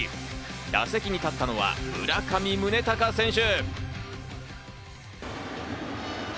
打席に立ったのは村上宗隆選手。